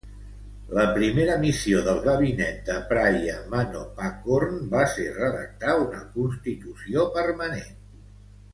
La primera missió del gabinet de Phraya Manopakorn va ser redactar una constitució permanent.